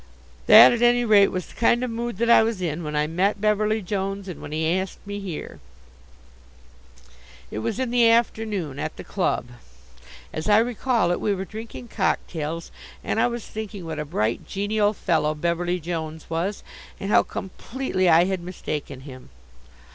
That at any rate was the kind of mood that I was in when I met Beverly Jones and when he asked me here. It was in the afternoon, at the club. As I recall it, we were drinking cocktails and I was thinking what a bright, genial fellow Beverly Jones was, and how completely I had mistaken him.